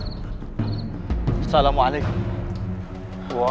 waalaikumsalam warahmatullahi wabarakatuh